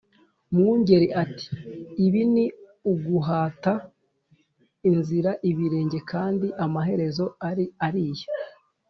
Mwungeli, ati: "Ibi ni uguhata inzira ibirenge kandi amaherezo ari ariya